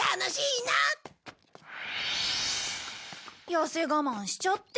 やせ我慢しちゃって。